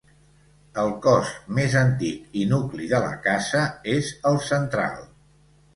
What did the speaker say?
El cos més antic i nucli de la casa és el central.